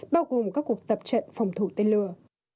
bao gồm các cuộc tập trận phòng thủ tên lửa